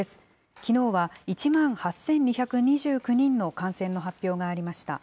きのうは１万８２２９人の感染の発表がありました。